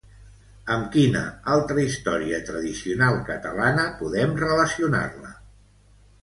Amb quina altra història tradicional catalana podem relacionar-la?